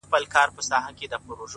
دلته اوسم _